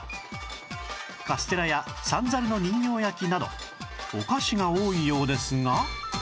カステラや三猿の人形焼きなどお菓子が多いようですが